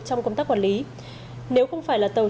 trong công tác quản lý nếu không phải là tàu